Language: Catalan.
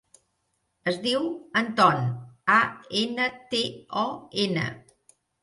Es diu Anton: a, ena, te, o, ena.